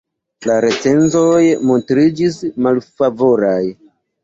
La recenzoj montriĝis malfavoraj.